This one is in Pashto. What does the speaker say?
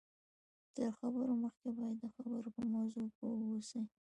تر خبرو مخکې باید د خبرو په موضوع پوه واوسئ